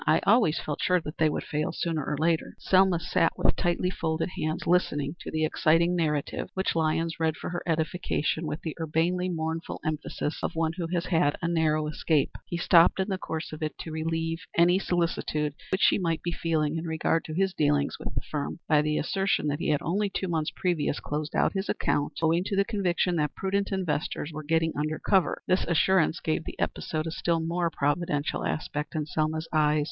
I always felt sure that they would fail sooner or later." Selma sat with tightly folded hands listening to the exciting narrative, which Lyons read for her edification with the urbanely mournful emphasis of one who has had a narrow escape. He stopped in the course of it to relieve any solicitude which she might be feeling in regard to his dealings with the firm, by the assertion that he had only two months previous closed out his account owing to the conviction that prudent investors were getting under cover. This assurance gave the episode a still more providential aspect in Selma's eyes.